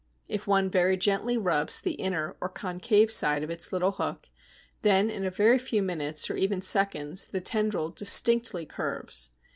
If one very gently rubs the inner or concave side of its little hook, then in a very few minutes, or even seconds, the tendril distinctly curves.